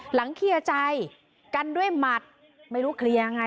เคลียร์ใจกันด้วยหมัดไม่รู้เคลียร์ยังไง